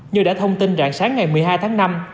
như đã thông tin rạng sáng ngày một mươi hai tháng năm